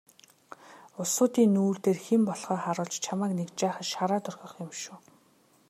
Улсуудын нүүр дээр хэн болохоо харуулж чамайг нэг жаахан шараад орхих юм шүү.